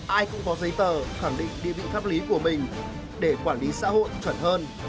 ai cũng có giấy tờ khẳng định địa vị pháp lý của mình để quản lý xã hội chuẩn hơn